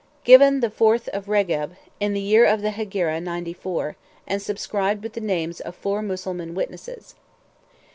Given the fourth of Regeb, in the year of the Hegira ninety four, and subscribed with the names of four Mussulman witnesses."